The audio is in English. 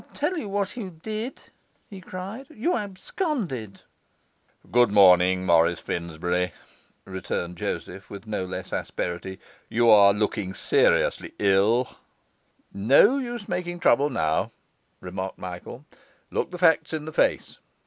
'I'll tell you what you did!' he cried. 'You absconded!' 'Good morning, Morris Finsbury,' returned Joseph, with no less asperity; 'you are looking seriously ill.' 'No use making trouble now,' remarked Michael. 'Look the facts in the face.